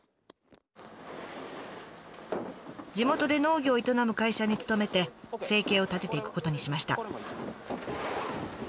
地元で農業を営む会社に勤めて生計を立てていくことにしました。